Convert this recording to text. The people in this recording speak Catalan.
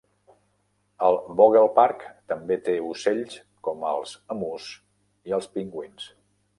El Vogel Park també té ocells com els emús i els pingüins.